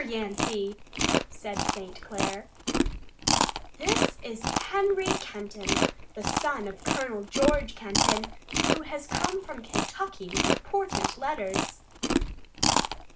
Yancey," said St. Clair, "this is Henry Kenton, the son of Colonel George Kenton, who has come from Kentucky with important letters."